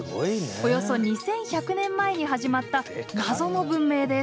およそ２，１００年前に始まった謎の文明です。